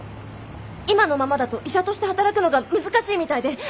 今のままだと医者として働くのが難しいみたいで。